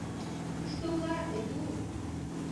— Кушто улат, Эду?